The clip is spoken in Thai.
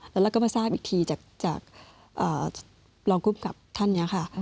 แล้วก็มาทราบอีกทีจากรองกลุ้มกับท่านเนี่ยค่ะ